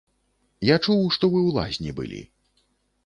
Я чуў, што вы ў лазні былі.